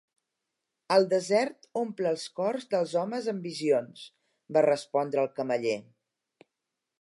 "El desert omple els cors dels homes amb visions", va respondre el cameller.